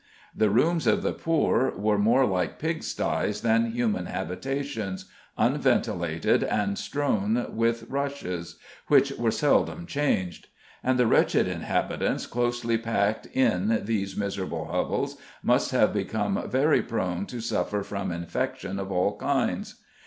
The rooms of the poor were more like pig styes than human habitations, unventilated, and strewn with rushes, which were seldom changed; and the wretched inhabitants closely packed in these miserable hovels must have become very prone to suffer from infection of all kinds.